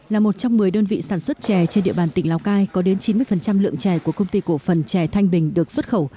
là một trong một mươi đơn vị sản xuất chè trên địa bàn tỉnh lào cai có đến chín mươi lượng chè của công ty cổ phần chè thanh bình được xuất khẩu